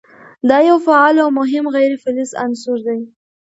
دا یو فعال او مهم غیر فلز عنصر دی.